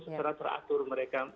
secara teratur mereka